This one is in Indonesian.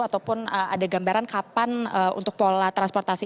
ataupun ada gambaran kapan untuk pola transportasi